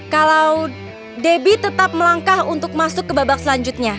kalau debbie tetap melangkah untuk masuk ke babak selanjutnya